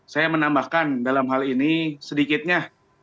saya menambahkan dalam hal ini sedikitnya